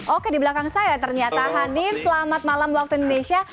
oke di belakang saya ternyata hanif selamat malam waktu indonesia